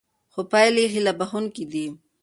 خو پایلې هیله بښوونکې دي.